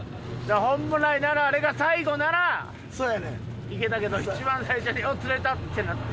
本来ならあれが最後ならいけたけど一番最初におっ釣れた！ってなって。